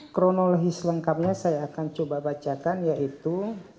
kronologis lengkapnya saya akan coba bacakan yaitu